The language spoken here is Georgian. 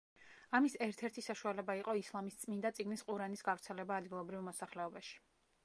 ამის ერთ-ერთი საშუალება იყო ისლამის წმინდა წიგნის ყურანის გავრცელება ადგილობრივ მოსახლეობაში.